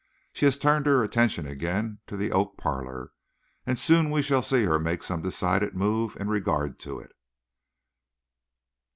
She has turned her attention again to the oak parlor, and soon we shall see her make some decided move in regard to it.